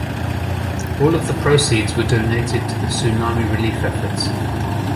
All of the proceeds were donated to the tsunami relief efforts.